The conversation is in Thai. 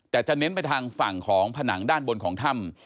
แต่จะเน้นไปทางฝั่งของผนังด้านบนของถ้ำ